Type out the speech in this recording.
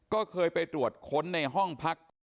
ก็เคยไปตรวจค้นในห้องพัก